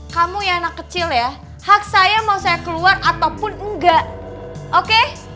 kamu ya anak kecil ya hak saya mau saya keluar ataupun enggak oke